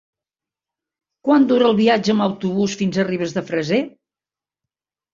Quant dura el viatge en autobús fins a Ribes de Freser?